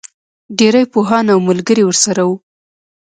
ډېری پوهان او ملګري ورسره وو.